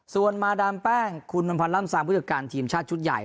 ส่วนมาดามแป้งคุณอำพันธ์ล่ำซามผู้จัดการทีมชาติชุดใหญ่